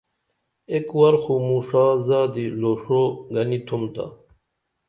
ایک ور خو موں ݜا زادی لُوݜو گنی تُھم تا